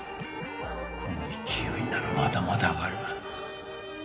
この勢いならまだまだ上がる！